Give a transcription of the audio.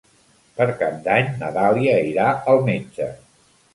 Per Cap d'Any na Dàlia irà al metge.